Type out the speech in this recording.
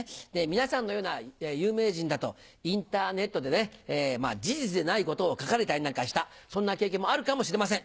皆さんのような有名人だとインターネットでね事実でないことを書かれたりなんかしたそんな経験もあるかもしれません